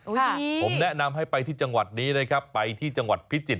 ผมแนะนำให้ไปที่จังหวัดนี้นะครับไปที่จังหวัดพิจิตร